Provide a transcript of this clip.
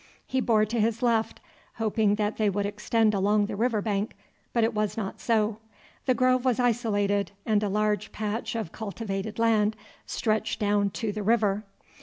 He bore to his left, hoping that they would extend along the river bank; but it was not so. The grove was isolated, and a large patch of cultivated land stretched down to the river.